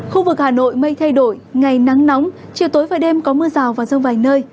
khu vực hà nội mây thay đổi ngày nắng nóng chiều tối và đêm có mưa rào và rông vài nơi